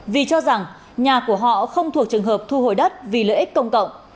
vì cho rằng nhà của họ không thuộc trường hợp thu hồi đất vì lợi ích công cộng